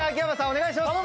お願いします。